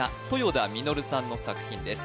田みのるさんの作品です